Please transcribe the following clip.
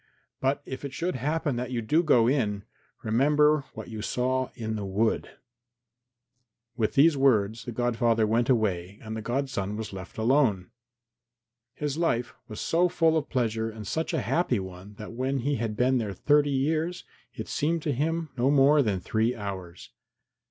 But if it should happen that you do go in, remember what you saw in the wood." With these words the godfather went away, and the godson was left alone. His life was so full of pleasure and such a happy one that when he had been there thirty years it seemed to him no more than three hours.